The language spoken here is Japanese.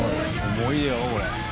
重いよこれ。